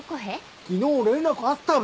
昨日連絡あったべ。